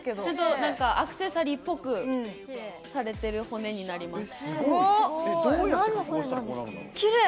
アクセサリーっぽくされてる骨になります。